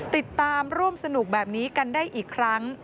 ติดตามร่วมสนุกแบบนี้กันได้อีกครั้ง